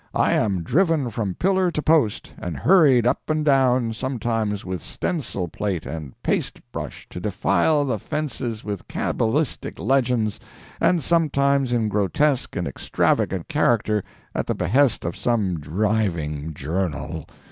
I am driven from pillar to post and hurried up and down, sometimes with stencil plate and paste brush to defile the fences with cabalistic legends, and sometimes in grotesque and extravagant character at the behest of some driving journal.